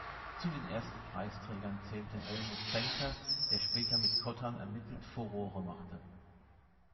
Zu den ersten Preisträgern zählte Helmut Zenker, der später mit Kottan ermittelt Furore machte.